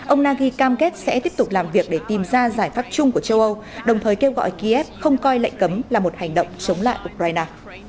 ông nagi cam kết sẽ tiếp tục làm việc để tìm ra giải pháp chung của châu âu đồng thời kêu gọi kiev không coi lệnh cấm là một hành động chống lại ukraine